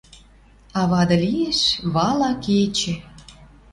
А вады лиэш, вала кечӹ —